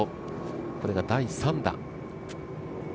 これが第３打。